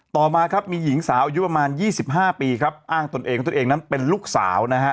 ต่อมามีหญิงสาวอายุประมาณ๒๕ปีอ้างตนเองเป็นลูกสาว